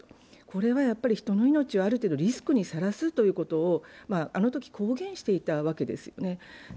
これは人の命をある程度リスクにさらすということをあのとき公言していたわけですよね。